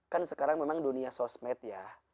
kan sekarang memang dunia sosmed ya